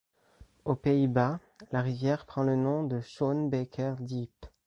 Aux Pays-Bas, la rivière prend le nom de Schoonebeker Diep.